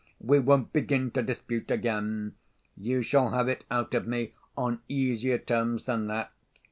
we won't begin to dispute again. You shall have it out of me on easier terms than that.